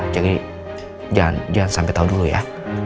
jadi jangan sampai tau dulu ya